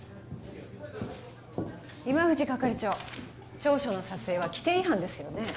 今藤係長調書の撮影は規定違反ですよね？